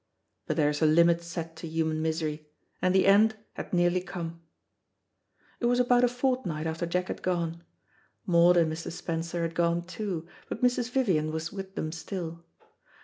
But there is a limit set to human misery, and the end had nearly come. It was about a fortnight after Jack had gone. Maud and Mr. Spencer had gone too, but Mrs. Vivian was with them still.